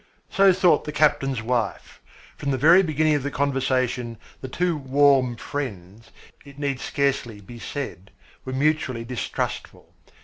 So thought the captain's wife. From the very beginning of the conversation, the two warm friends, it need scarcely be said, were mutually distrustful.